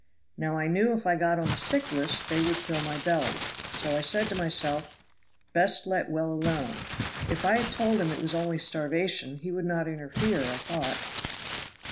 Now I knew if I got on the sick list they would fill my belly; so I said to myself, best let well alone. If I had told him it was only starvation he would not interfere, I thought."